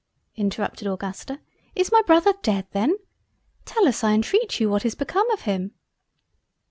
(interrupted Augusta) is my Brother dead then? Tell us I intreat you what is become of him?"